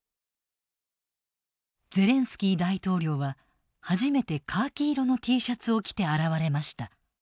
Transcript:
ゼレンスキー大統領は初めてカーキ色のＴシャツを着て現れました。